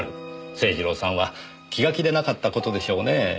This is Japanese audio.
政二郎さんは気が気でなかった事でしょうねえ。